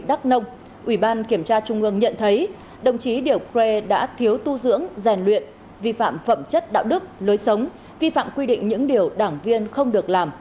đắc nông ủy ban kiểm tra trung ương nhận thấy đồng chí điểu crê đã thiếu tu dưỡng giàn luyện vi phạm phẩm chất đạo đức lối sống vi phạm quy định những điều đảng viên không được làm